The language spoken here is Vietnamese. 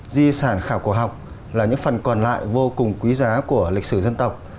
di sản khảo cổ học là những phần còn lại vô cùng quý giá của lịch sử dân tộc